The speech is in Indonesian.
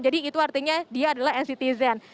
jadi itu artinya dia adalah nctzen